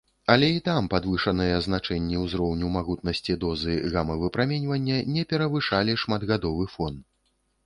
Але і там падвышаныя значэнні ўзроўню магутнасці дозы гама-выпраменьвання не перавышалі шматгадовы фон.